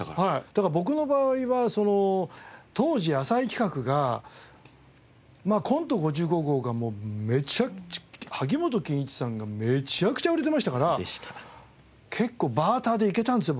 だから僕の場合は当時浅井企画がコント５５号がめちゃくちゃ萩本欽一さんがめちゃくちゃ売れてましたから結構バーターでいけたんですよ